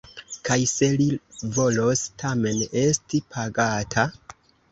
Kaj se li volos tamen esti pagata?